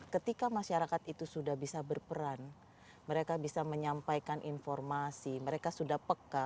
ketika masyarakat itu sudah bisa berperan mereka bisa menyampaikan informasi mereka sudah peka